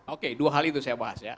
oke dua hal itu saya bahas ya